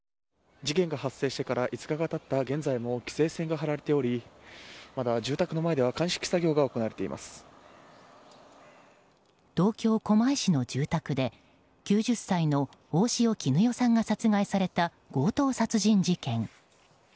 事件が発生してから５日が経った現在も規制線が張られておりまだ住宅の前では東京・狛江市の住宅で９０歳の大塩衣与さんが殺害された強盗殺人事件。